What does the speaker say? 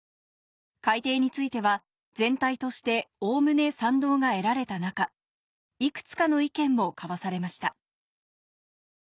改訂については全体としておおむね賛同が得られた中いくつかの意見も交わされました